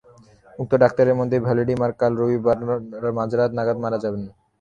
উভয় ডাক্তারেরই মতে ভ্যালডিমার কাল রবিবার মাঝরাত নাগাদ মারা যাবেন।